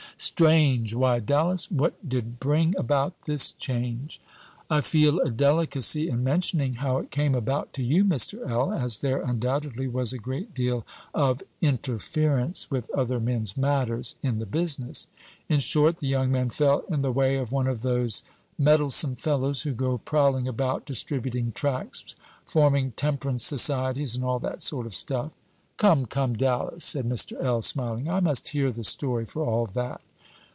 "Strange! Why, Dallas, what did bring about this change?" "I feel a delicacy in mentioning how it came about to you, Mr. L., as there undoubtedly was a great deal of 'interference with other men's matters' in the business. In short, the young man fell in the way of one of those meddlesome fellows, who go prowling about, distributing tracts, forming temperance societies, and all that sort of stuff." "Come, come, Dallas," said Mr. L., smiling, "I must hear the story, for all that."